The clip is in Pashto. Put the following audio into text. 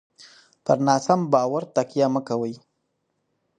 پر ناسم باور تکیه مه کوئ.